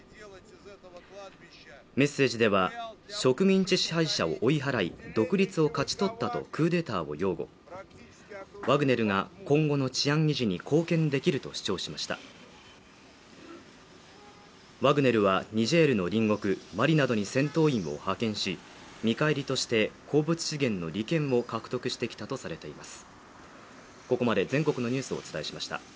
メッセージでは植民地支配者を追い払い独立を勝ち取ったとクーデターを擁護ワグネルが今後の治安維持に貢献できると主張しましたワグネルはニジェールの隣国マリなどに戦闘員を派遣し見返りとして鉱物資源の利権を獲得してきたとされています